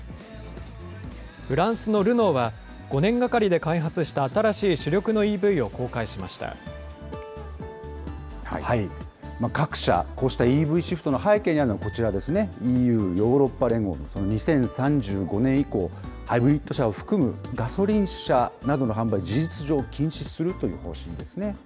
フランスのルノーは５年がかりで開発した新しい主力のＥＶを公開各社、こうしたＥＶシフトの背景にあるのがこちらですね、ＥＵ・ヨーロッパ連合の２０３５年以降、ハイブリッド車を含む、ガソリン車などの販売を事実上、禁止するという方針ですね。